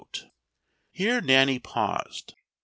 Here Nanny paused.